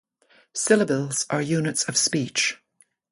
Syllables are units of speech.